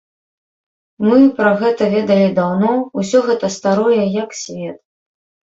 Мы пра гэта ведалі даўно, усё гэта старое, як свет.